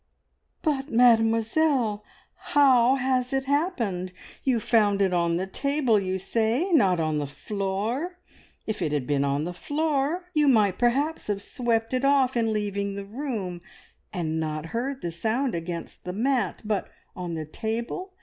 "But, Mademoiselle, how has it happened? You found it on the table, you say, not on the floor. If it had been on the floor, you might perhaps have swept it off in leaving the room, and not heard the sound against the mat. But on the table!